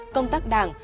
công tác đảng